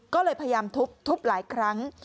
ก็เลยพยายามทุบหลายครั้ง